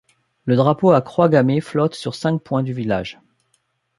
Le drapeau à croix gammée flotte sur cinq points du village.